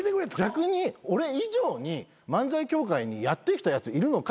逆に俺以上に漫才協会にやってきたやついるのかって。